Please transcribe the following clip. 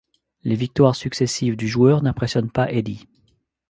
Les victoires successives du joueur n'impressionnent pas Eddie.